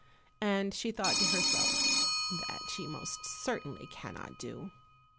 And she thought to herself, "That she most certainly cannot do."